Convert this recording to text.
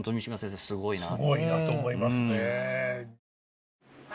すごいなと思いますね。